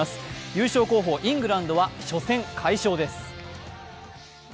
優勝候補・イングランドは初戦快勝です。